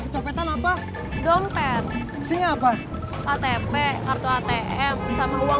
sampai jumpa polosannya